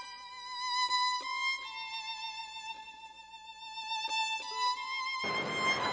แล้วก็คุณครับแล้วออธิบายค่ะ